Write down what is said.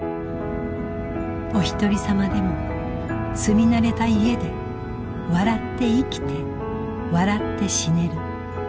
おひとりさまでも住み慣れた家で笑って生きて笑って死ねる。